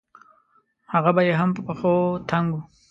هغه به يې هم په پښو تنګ وو.